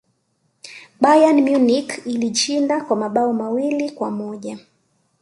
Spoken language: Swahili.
bayern munich ilishinda kwa mabao mawili kwa moja